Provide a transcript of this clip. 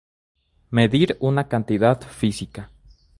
Medir una cantidad física.